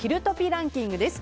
ランキングです。